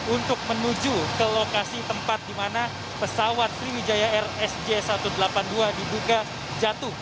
untuk menuju ke lokasi tempat dimana pesawat sriwijaya rsj satu ratus delapan puluh dua diduga jatuh